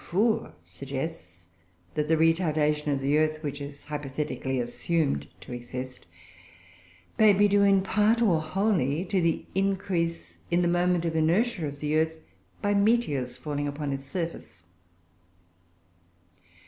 Dufour suggests that the retardation of the earth (which is hypothetically assumed to exist) may be due in part, or wholly, to the increase of the moment of inertia of the earth by meteors falling upon its surface.